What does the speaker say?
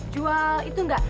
jual itu enggak